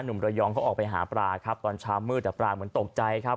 ระยองเขาออกไปหาปลาครับตอนเช้ามืดแต่ปลาเหมือนตกใจครับ